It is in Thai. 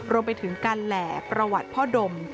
รวมไปถึงการแหล่ประวัติพ่อดม